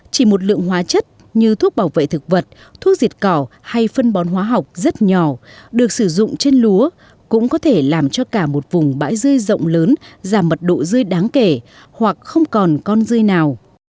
chỉ một lượng hóa chất như thuốc bảo vệ thực vật thuốc diệt cỏ hay phân bón hóa học rất nhỏ được sử dụng trên lúa cũng có thể làm cho cả một vùng bãi dươi rộng lớn giảm mật độ dươi đáng kể hoặc không còn con dươi nào